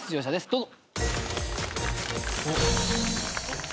どうぞ。